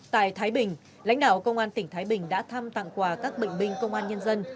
tại thái bình lãnh đạo công an tỉnh thái bình đã thăm tặng quà các bệnh binh công an nhân dân